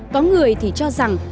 có người thì cho rằng